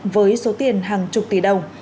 với số tiền hàng chục tỷ đồng